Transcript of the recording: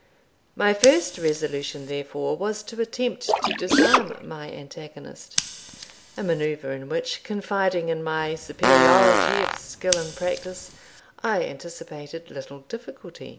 My first resolution, therefore, was to attempt to disarm my antagonist a manoeuvre in which, confiding in my superiority of skill and practice, I anticipated little difficulty.